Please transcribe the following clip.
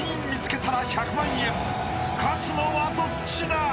［勝つのはどっちだ！？］